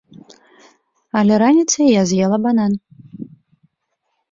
Але раніцай я з'ела банан.